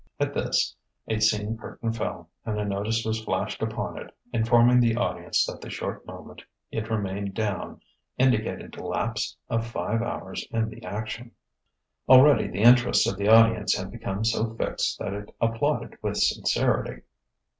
At this, a scene curtain fell, and a notice was flashed upon it informing the audience that the short moment it remained down indicated a lapse of five hours in the action. Already the interest of the audience had become so fixed that it applauded with sincerity.